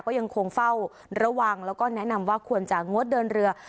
ก็ยังคงเฝ้าระวังแล้วก็แนะนำว่าควรจะงดเดินเรือ